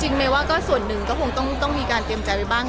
เมย์ว่าก็ส่วนหนึ่งก็คงต้องมีการเตรียมใจไว้บ้าง